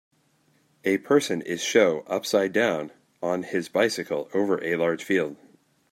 A person is show upside down on his bicycle over a large field.